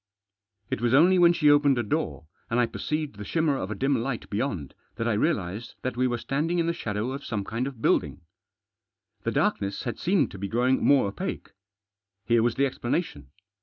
It was only when she opened a door, and I perceived the shimmer of a dim light beyond, that I realised that we were standing in the shadow of some kind of building. The darkness had seemed to be growing more opaque. Here was the explanation.